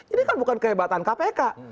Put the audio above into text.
ini kan bukan kehebatan kpk